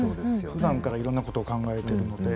ふだんからいろんなことを考えてるので。